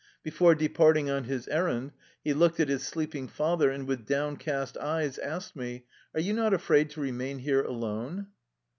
Before de parting on his errand, he looked at his sleeping father, and with downcast eyes asked me, "Are you not afraid to remain here alone?